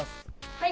はい！